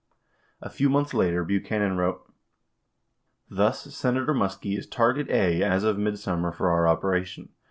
92 A few months later, Buchanan wrote : Thus, Senator Muskie is target A as of midsummer for our operation.